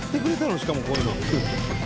しかもこういうの。